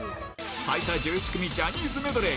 最多１１組、ジャニーズメドレー。